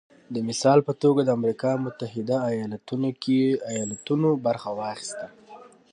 د مثال په توګه د امریکا متحده ایالتونو کې ایالتونو برخه واخیسته